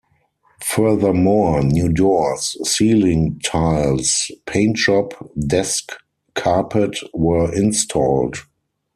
Furthermore, new doors, ceiling tiles, paint job, desk carpet were installed.